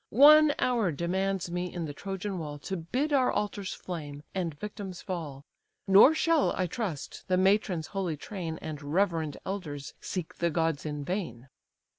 One hour demands me in the Trojan wall, To bid our altars flame, and victims fall: Nor shall, I trust, the matrons' holy train, And reverend elders, seek the gods in vain."